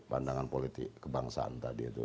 pandangan politik kebangsaan tadi itu